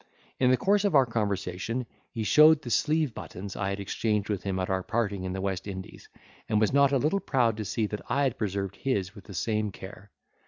In the course of our conversation, he showed the sleeve buttons I had exchanged with him at our parting in the West Indies, and was not a little proud to see that I had preserved his with the same care.